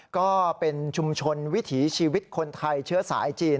ก็เป็นชุมชนวิถีชีวิตคนไทยเชื้อสายจีน